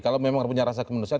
kalau memang punya rasa kemanusiaan